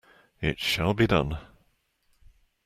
It shall be done!